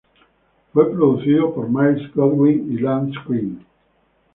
Fue producido por Myles Goodwyn y Lance Quinn.